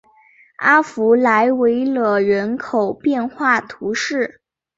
阿弗莱维勒人口变化图示